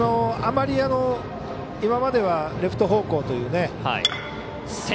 あまり今まではレフト方向というね。